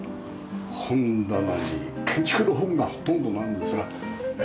本棚に建築の本がほとんどなんですが。